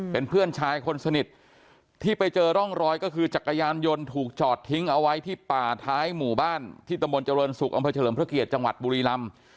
เป็นเพื่อนชายคนสนิทที่ไปเจอร่องรอยก็คือจักรยานยนต์ถูกจอดทิ้งเอาไว้ที่ป่าท้ายหมู่บ้านที่ตำบลเจริญศุกร์อำเภอเฉลิมพระเกียรติจังหวัดบุรีลำ